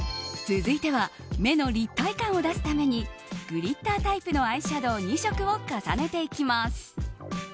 続いては目の立体感を出すためにグリッタータイプのアイシャドー２色を重ねていきます。